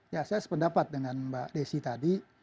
ya saya sependapat dengan mbak desi tadi